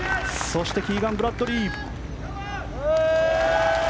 そしてキーガン・ブラッドリー。